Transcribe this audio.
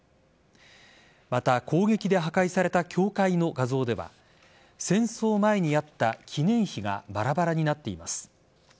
また攻撃で破壊された教会の画像では戦争前にあった記念碑がバラバラになっています。